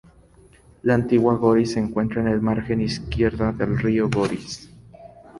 La antigua Goris se encuentra en la margen izquierda del río Goris.